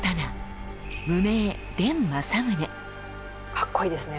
かっこいいですね。